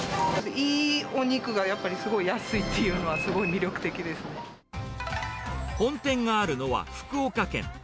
いいお肉がやっぱりすごい安いっていうのは、すごい魅力的で本店があるのは福岡県。